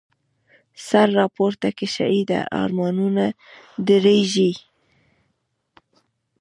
سر را پورته که شهیده، ارمانونه د رږیږی